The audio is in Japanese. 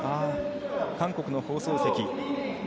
韓国の放送席。